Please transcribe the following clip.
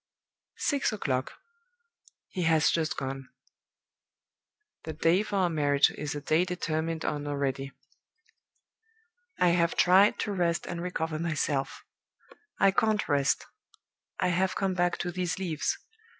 Six o'clock. He has just gone. The day for our marriage is a day determined on already. "I have tried to rest and recover myself. I can't rest. I have come back to these leaves.